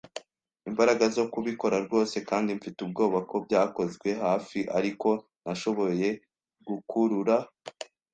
imbaraga zo kubikora rwose, kandi mfite ubwoba ko byakozwe hafi, ariko nashoboye gukurura